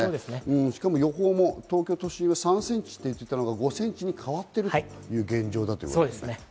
しかも予報も東京都心は３センチと言ってたのが、５センチに変わっているという現状ですね。